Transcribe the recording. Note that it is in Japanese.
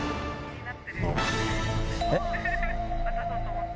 えっ？